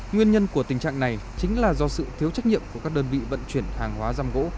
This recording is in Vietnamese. nguyên nhân của tình trạng này chính là do sự thiếu trách nhiệm của các đơn vị vận chuyển hàng hóa giam gỗ